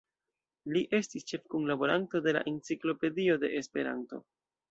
Li estis ĉefkunlaboranto de la Enciklopedio de Esperanto.